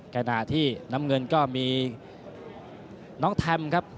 ใกล้หน้าที่น้ำเงินก็มีน้องแถมครับ